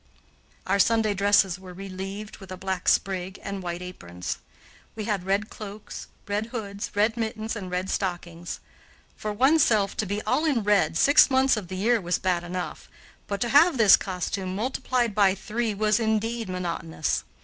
Our Sunday dresses were relieved with a black sprig and white aprons. We had red cloaks, red hoods, red mittens, and red stockings. For one's self to be all in red six months of the year was bad enough, but to have this costume multiplied by three was indeed monotonous.